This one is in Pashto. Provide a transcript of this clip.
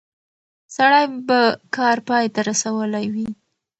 سړی به کار پای ته رسولی وي.